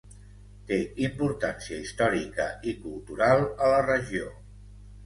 Té importància històrica i cultural a la regió.